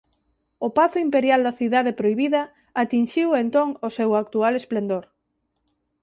O pazo imperial da Cidade Prohibida atinxiu entón o seu actual esplendor.